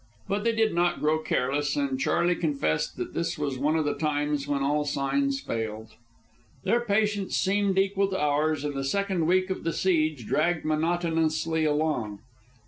But they did not grow careless, and Charley confessed that this was one of the times when all signs failed. Their patience seemed equal to ours, and the second week of the siege dragged monotonously along.